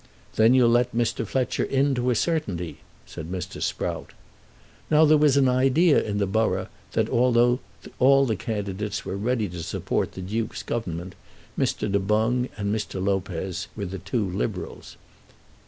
"Then you'll let Mr. Fletcher in to a certainty," said Mr. Sprout. Now there was an idea in the borough that, although all the candidates were ready to support the Duke's government, Mr. Du Boung and Mr. Lopez were the two Liberals.